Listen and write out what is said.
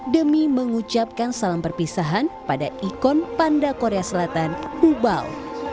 demi mengucapkan salam perpisahan pada ikon panda korea selatan ubau